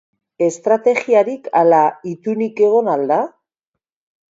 Estrategiarik ala itunik egon al da?